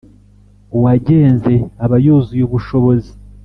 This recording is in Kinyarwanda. uwagenze aba yuzuye ubushobozi.